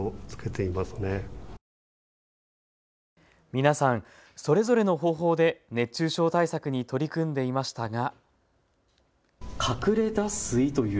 皆さん、それぞれの方法で熱中症対策に取り組んでいましたが。